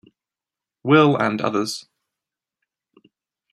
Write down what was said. Will and others.